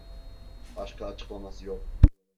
Başka açıklaması yok.